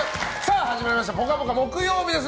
始まりました「ぽかぽか」木曜日です。